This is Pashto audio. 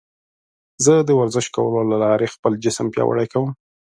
زه د ورزش کولو له لارې خپل جسم پیاوړی کوم.